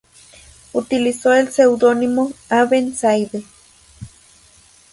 Utilizó el seudónimo Aben-Zaide.